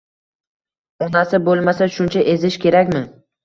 Onasi bo'lmasa, shuncha ezish kerakmi?